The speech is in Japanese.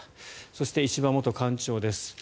そして、石破元幹事長です。